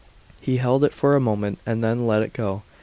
He held it for a moment, and then let it go.